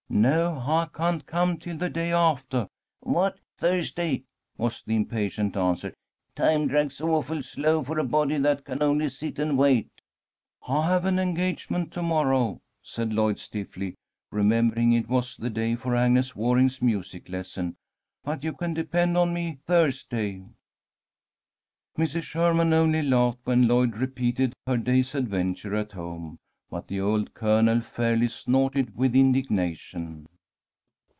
"No, I can't come till the day aftah." "What? Thursday?" was the impatient answer. "Time drags awful slow for a body that can only sit and wait." "I have an engagement to morrow," said Lloyd, stiffly, remembering it was the day for Agnes Waring's music lesson. "But you can depend on me Thursday." Mrs. Sherman only laughed when Lloyd repeated her day's adventure at home, but the old Colonel fairly snorted with indignation.